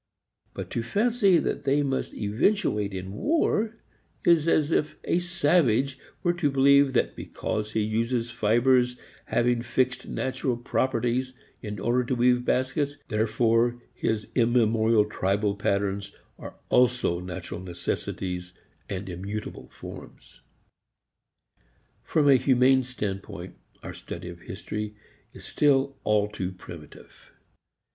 But to fancy that they must eventuate in war is as if a savage were to believe that because he uses fibers having fixed natural properties in order to weave baskets, therefore his immemorial tribal patterns are also natural necessities and immutable forms. From a humane standpoint our study of history is still all too primitive.